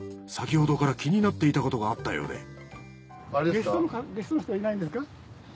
先ほどから気になっていたことがあったようで。